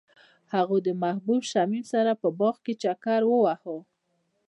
هغوی د محبوب شمیم سره په باغ کې چکر وواهه.